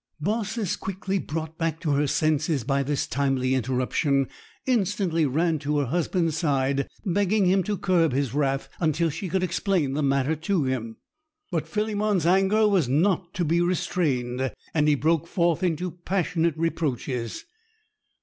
Baucis, quickly brought back to her senses by this timely interruption, instantly ran to her husband's side, begging him to curb his wrath until she could explain the matter to him; but Philemon's anger was not to be restrained, and he broke forth into passionate reproaches.